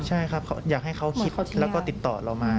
ใช่ครับอยากให้เขาคิดแล้วก็ติดต่อเรามา